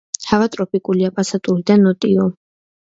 ჰავა ტროპიკულია, პასატური და ნოტიო.